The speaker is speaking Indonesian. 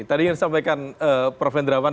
tadi ingin sampaikan prof endrawan